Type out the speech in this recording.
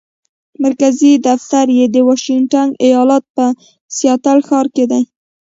مرکزي دفتر یې د واشنګټن ایالت په سیاتل ښار کې دی.